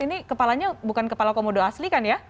ini kepalanya bukan kepala komodo asli kan ya